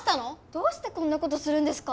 どうしてこんなことするんですか？